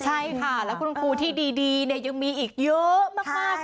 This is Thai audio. ใช่ค่ะแล้วคุณครูที่ดียังมีอีกเยอะมาก